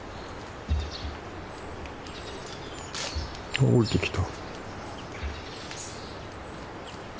あっ下りてきた。